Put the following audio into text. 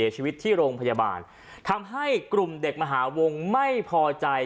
ชีวิตที่โรงพยาบาลทำให้กลุ่มเด็กมหาวงไม่พอใจ